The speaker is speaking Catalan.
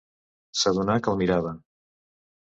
S'adonà que el mirava.